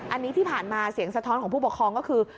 อันนี้ที่ผ่านมาเสียงสะท้อนของผู้ปกครองก็คือ